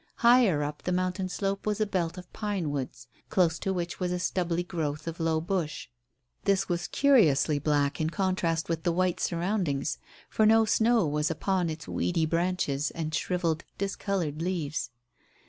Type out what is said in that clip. Higher up the mountain slope was a belt of pinewoods, close to which was a stubbly growth of low bush. This was curiously black in contrast with the white surroundings, for no snow was upon its weedy branches and shrivelled, discoloured leaves.